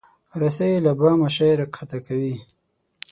رسۍ له بامه شی راکښته کوي.